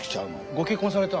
ご結婚された？